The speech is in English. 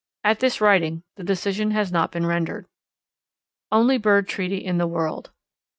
At this writing the decision has not been rendered. _Only Bird Treaty in the World.